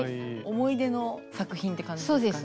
思い出の作品って感じですかね？